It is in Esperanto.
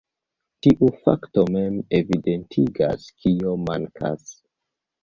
Tiu fakto mem evidentigas, kio mankas.